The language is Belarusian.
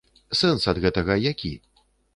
Сэнс ад гэтага які?